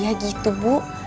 iya gitu bu